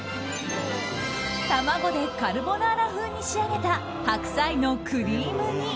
卵でカルボナーラ風に仕上げた白菜のクリーム煮。